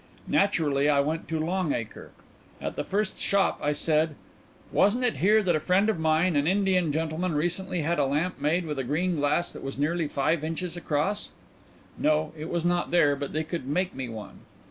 Naturally I went to Long Acre. At the first shop I said: 'Wasn't it here that a friend of mine, an Indian gentleman, recently had a lamp made with a green glass that was nearly five inches across?' No, it was not there but they could make me one.